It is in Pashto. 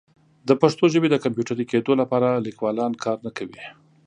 د پښتو ژبې د کمپیوټري کیدو لپاره لیکوالان کار نه کوي.